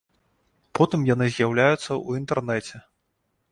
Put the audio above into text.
Потым яны з'яўляюцца ў інтэрнэце.